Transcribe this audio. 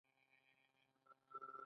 سخي زیارت ته خلک ولې ځي؟